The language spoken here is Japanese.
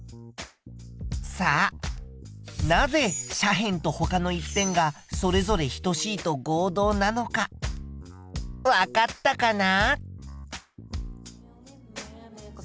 さあなぜ斜辺とほかの１辺がそれぞれ等しいと合同なのかわかったかな？